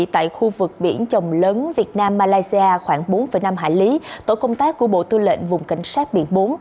tại khu vực biển trồng lớn việt nam malaysia khoảng bốn năm hải lý tổ công tác của bộ tư lệnh vùng cảnh sát biển bốn